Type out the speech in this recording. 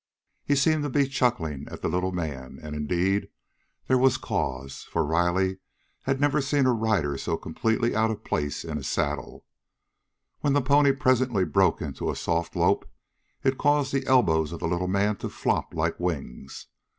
He seemed to be chuckling at the little man, and indeed there was cause, for Riley had never seen a rider so completely out of place in a saddle. When the pony presently broke into a soft lope it caused the elbows of the little man to flop like wings.